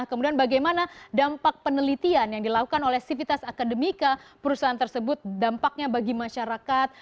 kemudian bagaimana dampak penelitian yang dilakukan oleh sivitas akademika perusahaan tersebut dampaknya bagi masyarakat